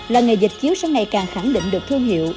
làng nghề dệt chiếu sẽ ngày càng khẳng định được thương hiệu